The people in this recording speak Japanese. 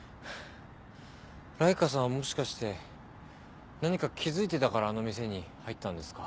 ライカさんはもしかして何か気付いてたからあの店に入ったんですか？